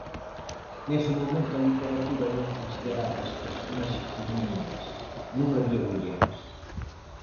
Nese momento a literatura non consideraba as personaxes femininas, non había mulleres.